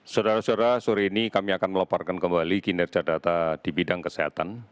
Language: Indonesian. saudara saudara sore ini kami akan meleparkan kembali kinerja data di bidang kesehatan